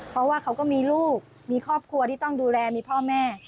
เพราะว่าเขาก็มีลูกมีครอบครัวที่ต้องดูแลมีพ่อแม่